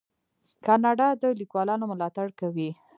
کاناډا د لیکوالانو ملاتړ کوي.